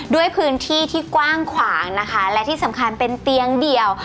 ด้วยพื้นที่ที่กว้างขวางนะคะและที่สำคัญเป็นเตียงเดี่ยว